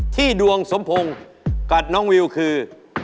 ที่ดวงสมพงศ์กับน้องวิวคือ